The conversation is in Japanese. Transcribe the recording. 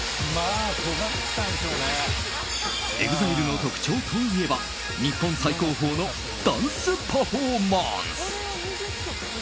ＥＸＩＬＥの特徴といえば日本最高峰のダンスパフォーマンス。